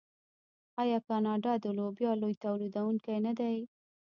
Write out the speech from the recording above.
آیا کاناډا د لوبیا لوی تولیدونکی نه دی؟